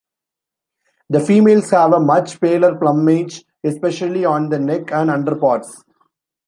The females have a much paler plumage especially on the neck and underparts.